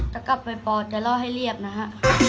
จะกลับไปปอดจะเล่าให้เรียบนะฮะ